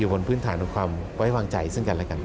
บนพื้นฐานของความไว้วางใจซึ่งกันและกัน